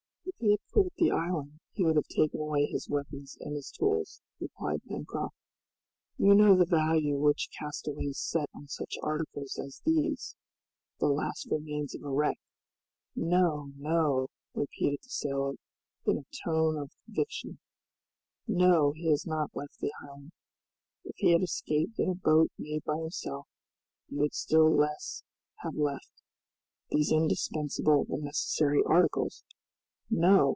"If he had quitted the island he would have taken away his weapons and his tools," replied Pencroft. "You know the value which castaways set on such articles as these the last remains of a wreck. No! no!" repeated the sailor, in a tone of conviction; "no, he has not left the island! If he had escaped in a boat made by himself, he would still less have left these indispensable and necessary articles. No!